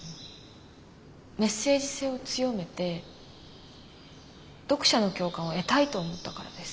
メッセージ性を強めて読者の共感を得たいと思ったからです。